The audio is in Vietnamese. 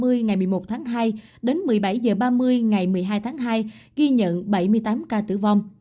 từ một mươi bảy h ba mươi ngày một mươi hai tháng hai đến một mươi bảy h ba mươi ngày một mươi hai tháng hai ghi nhận bảy mươi tám ca tử vong